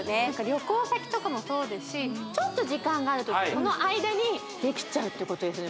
旅行先とかもそうですしちょっと時間があるときこの間にできちゃうってことですね